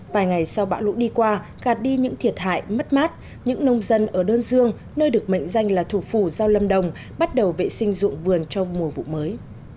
vài ngày sau bão lũ đi qua gạt đi những thiệt hại mất mát những nông dân ở đơn dương nơi được mệnh danh là thủ phủ giao lâm đồng bắt đầu vệ sinh dụng vườn trong mùa vụ mới